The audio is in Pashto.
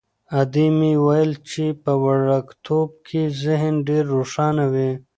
ادې مې ویل چې په وړکتوب کې ذهن ډېر روښانه وي.